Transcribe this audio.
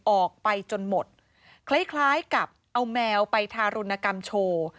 ออกไปจนหมดคล้ายกับเอาแมวไปทารุณกรรมโชว์